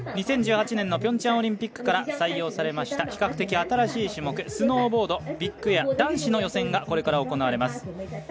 ２０１８年のピョンチャンオリンピックから採用されました比較的新しい種目スノーボードビッグエア男子の予選がこれから行われます。